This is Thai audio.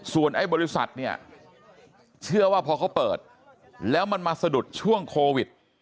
ส่วนไอ้บริษัทเนี่ยเชื่อว่าพอเขาเปิดแล้วมันมาสะดุดช่วงโควิด